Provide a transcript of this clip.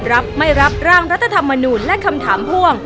รับไม่รับร่างรัฐธรรมนูลและคำถามพ่วง